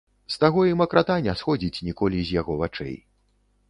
З таго і макрата не сходзіць ніколі з яго вачэй.